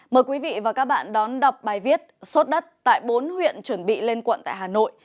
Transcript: mời quý vị và các bạn đón đọc bài viết sốt đất tại bốn huyện chuẩn bị lên quận tại hà nội